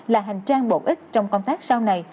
là hành trang bổ ích trong công tác sau này